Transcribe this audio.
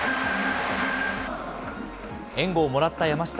援護をもらった山下。